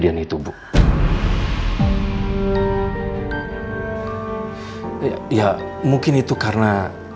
iya mungkin itu karena